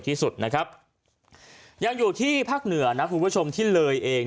ที่สุดนะครับยังอยู่ที่ภาคเหนือนะคุณผู้ชมที่เลยเอง